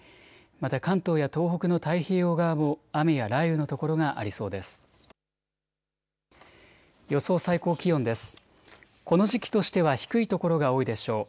また関東や東北の太平洋側も雨や雷雨の所がありそうです。